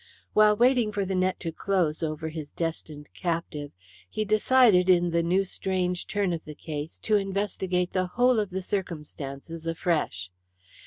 While waiting for the net to close over his destined captive, he decided in the new strange turn of the case to investigate the whole of the circumstances afresh.